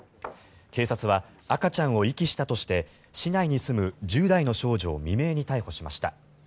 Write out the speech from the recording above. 警察は赤ちゃんを遺棄したとして市内に住む１０代の少女を未明に逮捕しました。